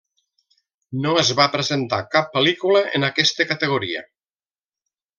No es va presentar cap pel·lícula en aquesta categoria.